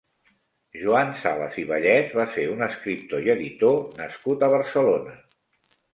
Joan Sales i Vallès va ser un escriptor i editor nascut a Barcelona.